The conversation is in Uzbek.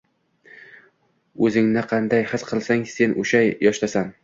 O’zingni qanday his qilsang sen o’sha yoshdasan.